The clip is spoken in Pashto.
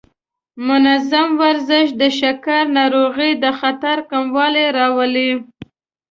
منظم ورزش د شکر ناروغۍ د خطر کموالی راولي.